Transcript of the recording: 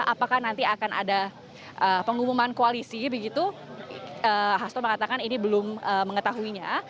apakah nanti akan ada pengumuman koalisi begitu hasto mengatakan ini belum mengetahuinya